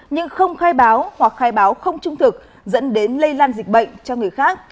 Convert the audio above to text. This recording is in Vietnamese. nhưng không khai báo hoặc khai báo không trung thực dẫn đến lây lan dịch bệnh cho người khác